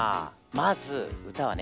まずうたはね